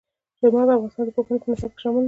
چار مغز د افغانستان د پوهنې په نصاب کې شامل دي.